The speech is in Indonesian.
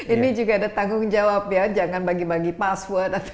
ini juga ada tanggung jawab ya jangan bagi bagi password atau